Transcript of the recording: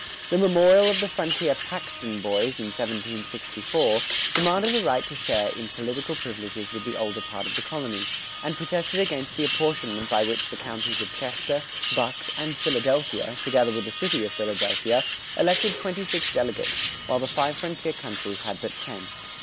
The memorial of the frontier "Paxton Boys," in 1764, demanded a right to share in political privileges with the older part of the colony, and protested against the apportionment by which the counties of Chester, Bucks, and Philadelphia, together with the city of Philadelphia, elected twenty six delegates, while the five frontier counties had but ten.